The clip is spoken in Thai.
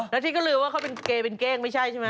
นาทีก็ลืมว่าเขาเป็นเกยเป็นเก้งไม่ใช่ไหม